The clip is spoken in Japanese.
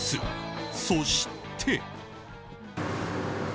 そして。